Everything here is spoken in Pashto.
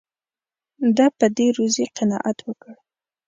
ده په دې روزي قناعت وکړ.